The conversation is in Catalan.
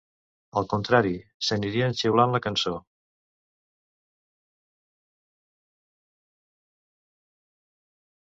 Al contrari, s"anirien xiulant la cançó.